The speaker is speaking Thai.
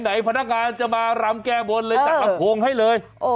พนักงานจะมารำแก้บนเลยจัดลำโพงให้เลย